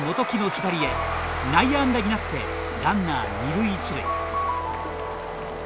内野安打になってランナー二塁一塁。